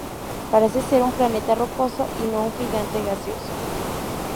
Parece ser un planeta rocoso y no un gigante gaseoso.